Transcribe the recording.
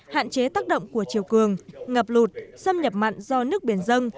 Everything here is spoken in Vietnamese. hạn chế tác động của chiều cường ngập lụt xâm nhập mặn do nước biển dân